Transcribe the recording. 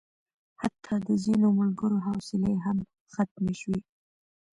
حتی د ځینو ملګرو حوصلې هم ختمې شوې.